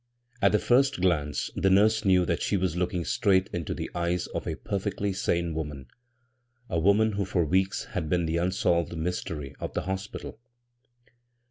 At the first glance the nurse knew that she was looking straight into the eyes of a per iectly sane woman — a woman who for weeks had been the unsolved mystety of the hospital.